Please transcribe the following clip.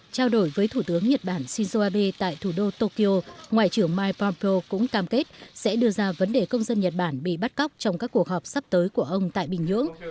trao đổi với thủ tướng nhật bản shinzo abe tại thủ đô tokyo ngoại trưởng mike pompeo cũng cam kết sẽ đưa ra vấn đề công dân nhật bản bị bắt cóc trong các cuộc họp sắp tới của ông tại bình nhưỡng